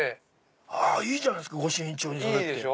いいじゃないですか御朱印帳に名前って。